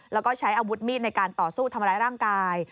แล้วก็ใช้อาวุธมีดในการต่อสู้ทำร้ายร่างกาย